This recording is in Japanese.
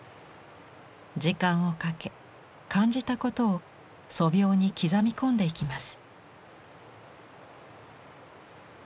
時間をかけ感じたことを素描に刻み込んでいきます。